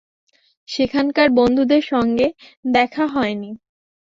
সেখানকার বন্ধুদের সঙ্গে দেখা হয়নি।